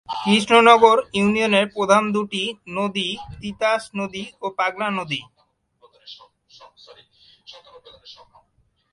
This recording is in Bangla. কৃষ্ণনগর ইউনিয়নের প্রধান দুইটি নদী তিতাস নদী ও পাগলা নদী।